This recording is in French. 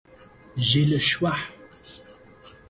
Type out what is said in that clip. J'ai le choix.